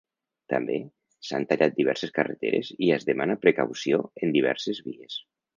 També s’han tallat diverses carreteres i es demana precaució en diverses vies.